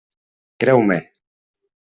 Creu-me.